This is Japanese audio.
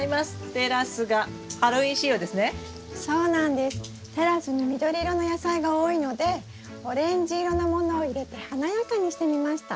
テラスに緑色の野菜が多いのでオレンジ色のものを入れて華やかにしてみました。